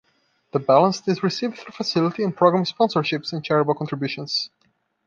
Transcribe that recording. The balance is received through facility and program sponsorships and charitable contributions.